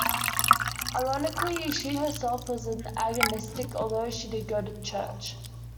Ironically, she herself was an agnostic, although she did go to church.